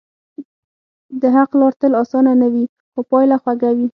د حق لار تل آسانه نه وي، خو پایله خوږه وي.